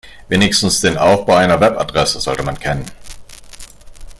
Wenigstens den Aufbau einer Webadresse sollte man kennen.